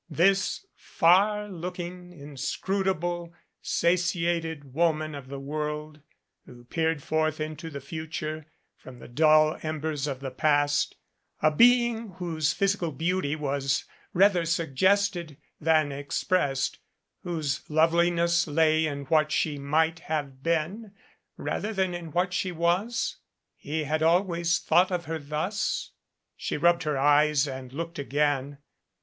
This far looking, inscrutable, satiated woman of the world, who peered forth into the future, from the dull embers of the past a being whose physical beauty was rather suggested than expressed whose loveliness lay in what she might have been rather than in what she was? He had always thought of her thus? She rubbed her eyes and looked again.